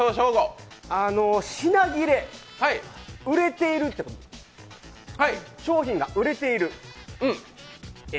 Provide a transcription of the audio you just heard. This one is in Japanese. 品切れ、売れているってことですね、商品が売れている。